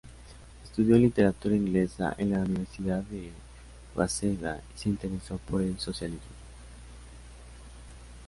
Estudió literatura inglesa en la Universidad de Waseda y se interesó por el socialismo.